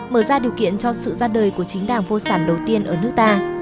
mở ra điều kiện cho sự ra đời của chính đảng vô sản đầu tiên ở nước ta